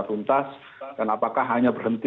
tuntas dan apakah hanya berhenti